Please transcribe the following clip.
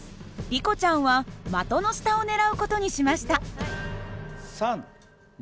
リコちゃんは的の下を狙う事にしました。